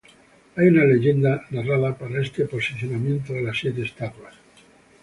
Hay una leyenda narrada para este posicionamiento de las siete estatuas.